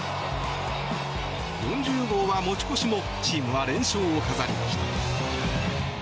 ４０号は持ち越しもチームは連勝を飾りました。